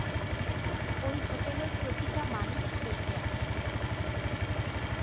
ওই হোটেলের প্রতিটা মানুষ বেঁচে আছে।